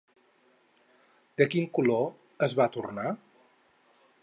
De quin color es va tornar?